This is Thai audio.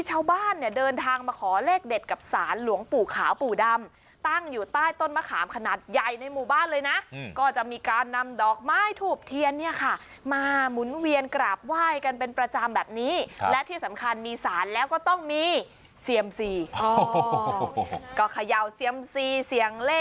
แถวบ้านเนี่ยเดินทางมาขอเลขเด็ดกับศาลหลวงปู่ขาวปู่ดำตั้งอยู่ใต้ต้นมะขามขนาดใหญ่ในหมู่บ้านเลยน่ะอืมก็จะมีการนำดอกไม้ถูกเทียนเนี่ยค่ะมาหมุนเวียนกราบไหวกันเป็นประจำแบบนี้ค่ะและที่สำคัญมีศาลแล้วก็ต้องมีเ